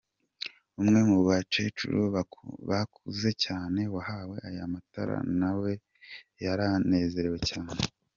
Umwe mu bacecuru bakuze cyane wahawe aya matara nawe yaranezerewe cyane.